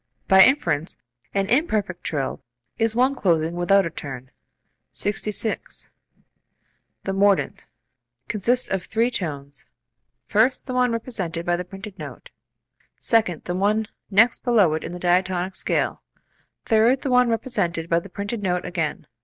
By inference, an imperfect trill is one closing without a turn. 66. The mordent [mordent symbol] consists of three tones; first the one represented by the printed note; second the one next below it in the diatonic scale; third the one represented by the printed note again.